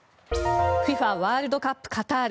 ＦＩＦＡワールドカップカタール。